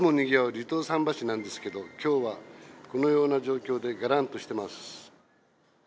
離島桟橋なんですけれども、きょうはこのような状況でがらんとしてます。